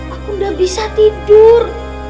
aku enggak bisa tidur